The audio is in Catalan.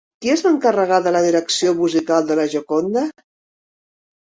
Qui es va encarregar de la direcció musical de La Gioconda?